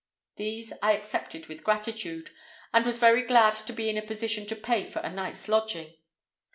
These I accepted with gratitude, and was very glad to be in a position to pay for a night's lodging.